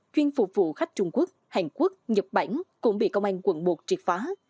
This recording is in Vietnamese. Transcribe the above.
chuyên phục vụ khách trung quốc hàn quốc nhật bản cũng bị công an quận một triệt phá